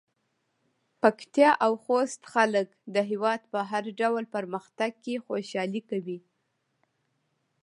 پکتيا او خوست خلک د هېواد په هر ډول پرمختګ کې خوشحالي کوي.